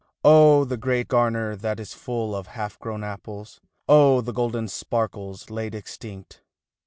Oh, the grey garner that is full of half grown apples, Oh, the golden sparkles laid extinct